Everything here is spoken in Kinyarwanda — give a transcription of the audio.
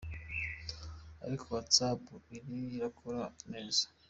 Ariko Whats app iriko irakora neza.